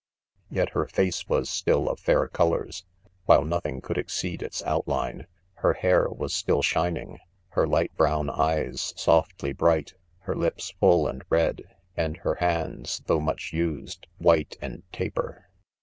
^(•■" s Yet her face was still of fair colors, while nothing could exceed its outline j her hair was still shining $ her light brown eyes softly bright 1 her lips full and red 5 and her hands s though much used, white and taper.